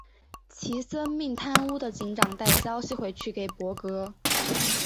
齐森命贪污的警长带消息回去给柏格。